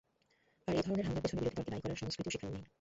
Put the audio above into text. আর এ ধরনের হামলার পেছনে বিরোধী দলকে দায়ী করার সংস্কৃতিও সেখানে নেই।